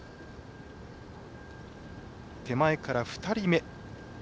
手前から２人目。